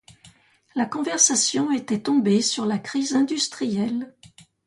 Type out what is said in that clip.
La conversation était tombée sur la crise industrielle